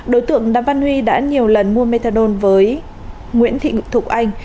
đối tượng đàm văn huy đã nhiều lần mua methadone với nguyễn thị thục anh